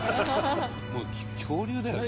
「もう恐竜だよね」